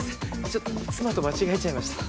ちょっと妻と間違えちゃいました。